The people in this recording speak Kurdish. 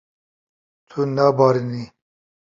Tu nabarînî.